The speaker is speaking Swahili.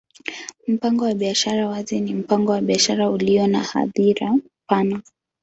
Mpango wa biashara wazi ni mpango wa biashara ulio na hadhira pana.